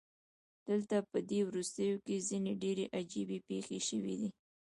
دلته پدې وروستیو کې ځینې ډیرې عجیبې پیښې شوې دي